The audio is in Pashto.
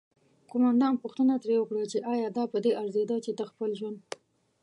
قوماندان پوښتنه ترې وکړه چې آیا دا پدې ارزیده چې ته خپل ژوند